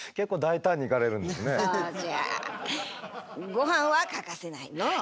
ごはんは欠かせないのう。